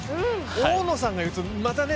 大野さんが言うとまたね。